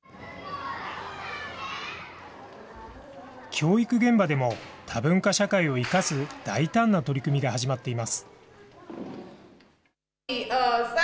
教育現場でも、多文化社会を生かす大胆な取り組みが始まっています。